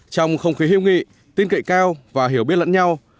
trong không khí hiệu nghị tin cậy cao và hiểu biết lẫn nhau